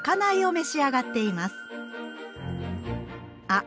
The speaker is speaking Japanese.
あ！